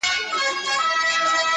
• خانه ستا او د عُمرې یې سره څه..